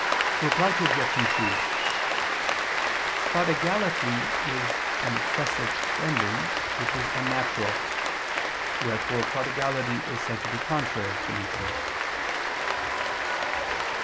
Reply Obj. 2: Prodigality is an excessive spending, which is unnatural: wherefore prodigality is said to be contrary to nature.